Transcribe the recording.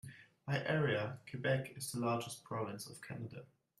By area, Quebec is the largest province of Canada.